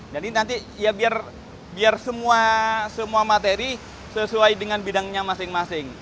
nanti ya biar semua materi sesuai dengan bidangnya masing masing